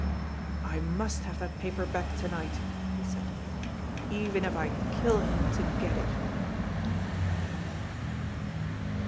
" I must have that paper back to night," he said. " Even if I kill him to get it